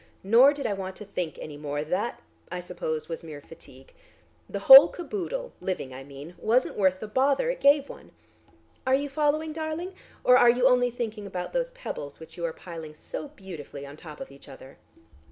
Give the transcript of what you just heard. Nor did I want to think any more; that I suppose was mere fatigue. The whole caboodle living, I mean wasn't worth the bother it gave one. Are you following, darling, or are you only thinking about those pebbles which you are piling so beautifully on the top of each other?"